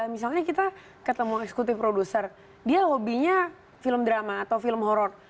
misalnya kita ketemu eksekutif produser dia hobinya film drama atau film horror